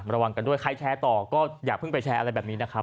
ระวังกันด้วยใครแชร์ต่อก็อย่าเพิ่งไปแชร์อะไรแบบนี้นะครับ